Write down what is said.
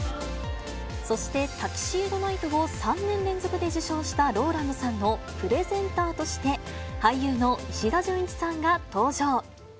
そして、タキシードナイトを３年連続で受賞したＲＯＬＡＮＤさんのプレゼンターとして、俳優の石田純一さんが登場。